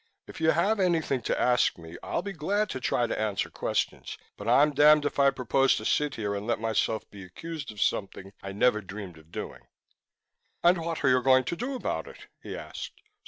If you have anything to ask me, I'll be glad to try to answer questions, but I'm damned if I propose to sit here and let myself be accused of something I never dreamed of doing." "And what are you going to do about it?" he asked.